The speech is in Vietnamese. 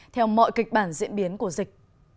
theo mọi kịch bản diễn biến của dịch